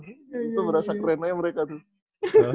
itu merasa keren aja mereka tuh